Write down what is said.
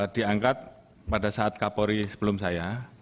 diangkat pada saat kapolri sebelum saya